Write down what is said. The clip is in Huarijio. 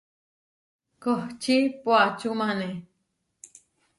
Kohčí poʼačúmane.